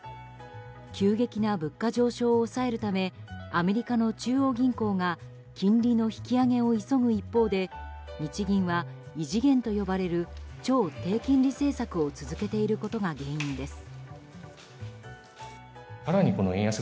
急激な物価上昇を抑えるためアメリカの中央銀行が金利の引き上げを急ぐ一方で日銀は異次元と呼ばれる超低金利政策を続けていることが原因です。